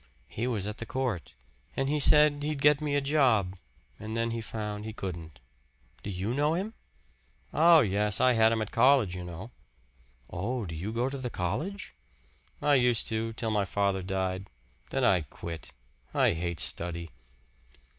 "He was at the court. And he said he'd get me a job, and then he found he couldn't. Do you know him?" "Oh, yes, I had him at college, you know." "Oh, do you go to the college?" "I used to till my father died. Then I quit. I hate study."